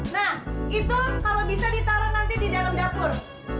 nah itu kalau bisa ditaruh nanti di dalam dapur